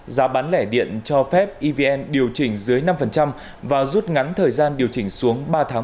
giá bán lẻ điện cho phép evn điều chỉnh dưới năm và rút ngắn thời gian điều chỉnh xuống ba tháng